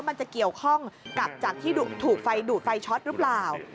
มันจะเกี่ยวข้องกับจากที่ถูกไฟดูดไฟช็อตหรือเปล่า